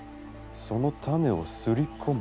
その種をすり込む。